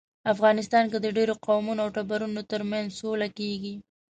افغانستان کې د ډیرو قومونو او ټبرونو ترمنځ سوله کیږي